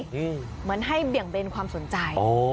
เหมือนให้เบี่ยงเบนความสนใจ